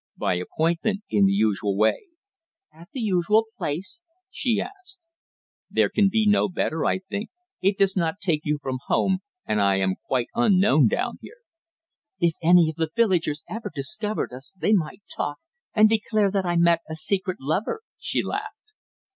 "By appointment, in the usual way." "At the usual place?" she asked. "There can be no better, I think. It does not take you from home, and I am quite unknown down here." "If any of the villagers ever discovered us they might talk, and declare that I met a secret lover," she laughed.